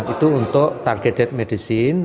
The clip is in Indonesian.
itu untuk targeted medicine